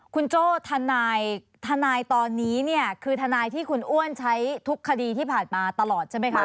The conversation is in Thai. คุณโจ้ทนายตอนนี้เนี่ยคือทนายที่คุณอ้วนใช้ทุกคดีที่ผ่านมาตลอดใช่ไหมคะ